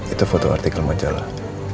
itu foto artikel majalah